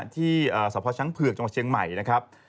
ที่สพช้างเผือกจังหวัดเชียงใหม่นะครับ